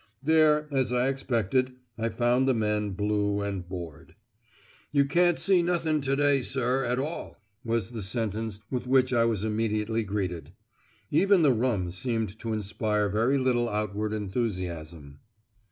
There, as I expected, I found the men blue and bored. "You can't see nothing to day, sir, at all," was the sentence with which I was immediately greeted. Even the rum seemed to inspire very little outward enthusiasm.